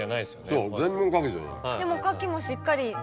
でも牡蠣もしっかり。